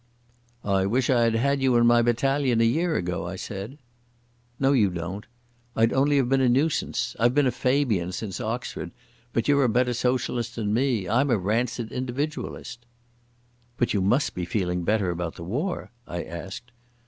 "I wish I had had you in my battalion a year ago," I said. "No, you don't. I'd only have been a nuisance. I've been a Fabian since Oxford, but you're a better socialist than me. I'm a rancid individualist." "But you must be feeling better about the war?" I asked.